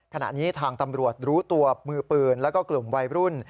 ขณะนี้ทางตำรวจรู้ตัวมือปืนแล้วก็กลุ่มวัยรุ่น